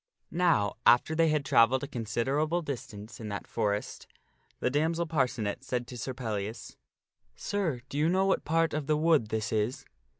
Now, after they had travelled a considerable distance in that forest, the damsel Parcenet said to Sir Pellias, " Sir, do you know what part of the woods this is?